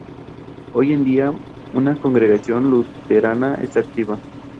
Hoy en día, una congregación luterana esta activa.